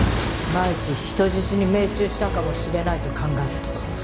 万一人質に命中したかもしれないと考えると。